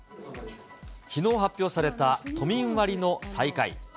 きのう発表された、都民割の再開。